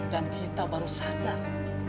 dan kita baru sadar